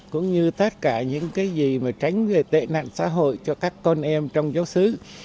cũng như tất cả những cái gì mà tránh về tệ nạn xã hội cho các con em trong giáo sứ